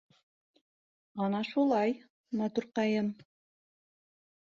— Ана шулай, матурҡайым.